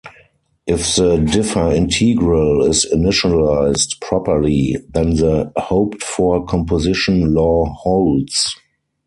If the differintegral is initialized properly, then the hoped-for composition law holds.